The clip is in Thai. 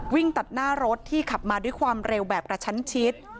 ตัดหน้ารถที่ขับมาด้วยความเร็วแบบกระชั้นชิด